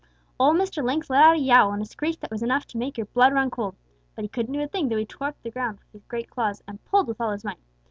"Old Mr. Lynx let out a yowl and a screech that was enough to make your blood run cold. But he couldn't do a thing, though he tore the ground up with his great claws and pulled with all his might.